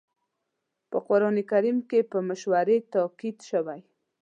په قرآن کريم کې په مشورې تاکيد شوی.